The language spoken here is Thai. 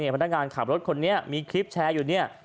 พนักงานขับรถคนนี้มีคลิปแชร์อยู่เนี่ย